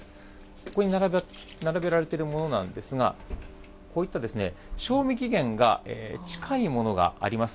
ここに並べられているものなんですが、こういった賞味期限が近いものがあります。